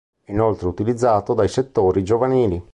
È inoltre utilizzato dai settori giovanili.